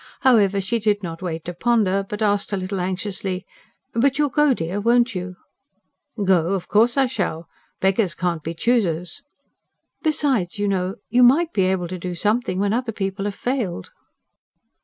However, she did not wait to ponder, but asked, a little anxiously: "But you'll go, dear, won't you?" "Go? Of course I shall! Beggars can't be choosers." "Besides, you know, you MIGHT be able to do something where other people have failed."